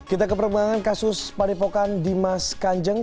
kita ke perkembangan kasus padepokan dimas kanjeng